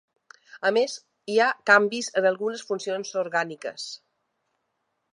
A més, hi ha canvis en algunes funcions orgàniques.